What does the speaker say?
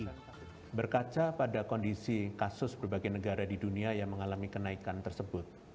nah berkaca pada kondisi kasus berbagai negara di dunia yang mengalami kenaikan tersebut